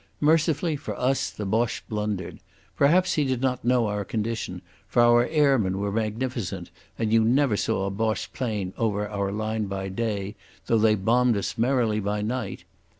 Mercifully for us the Boche blundered. Perhaps he did not know our condition, for our airmen were magnificent and you never saw a Boche plane over our line by day, though they bombed us merrily by night.